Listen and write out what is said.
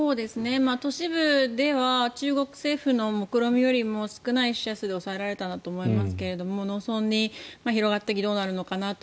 都市部では中国政府の目論見よりも少ない死者数で抑えられたなと思いますが農村に広がった時どうなるのかなと。